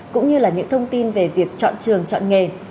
cũng như là những thông tin về việc chọn trường chọn nghề